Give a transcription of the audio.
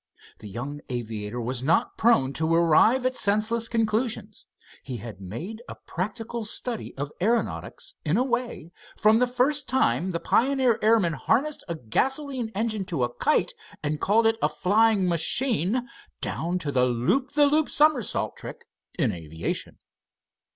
The young aviator was not prone to arrive at senseless conclusions. He had made a practical study of aeronautics, in a way; from the first time the pioneer airman harnessed a gasoline engine to a kite and called it a flying machine, down to the loop the loop somersault trick in aviation.